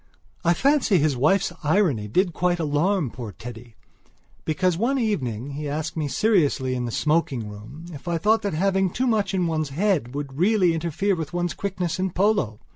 I fancy his wife's irony did quite alarm poor Teddy; because one evening he asked me seriously in the smoking room if I thought that having too much in one's head would really interfere with one's quickness in polo.